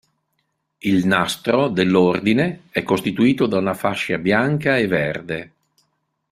Il "nastro" dell'ordine è costituito da una fascia bianca e verde.